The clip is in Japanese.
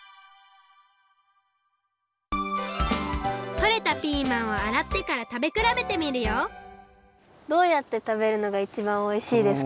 とれたピーマンをあらってからたべくらべてみるよどうやってたべるのがいちばんおいしいですか？